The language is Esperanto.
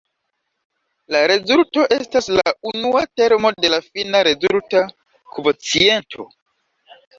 La rezulto estas la unua termo de la fina rezulta kvociento.